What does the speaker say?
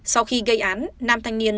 sau khi gây án nam thanh niên